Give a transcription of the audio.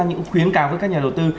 những khuyến cảm với các nhà đầu tư